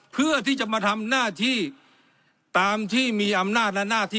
เพื่อที่จะมาทำหน้าที่ตามที่มีอำนาจและหน้าที่